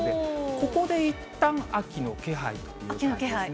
ここでいったん秋の気配という感じですね。